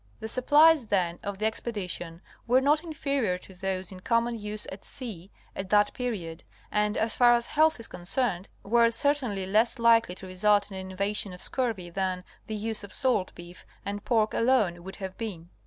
The supplies then of the expedition, were not inferior to those in common use at sea at that period, and as far as health is concerned were certainly less likely to result in an invasion of scurvy than the use of salt beef and pork alone would have been.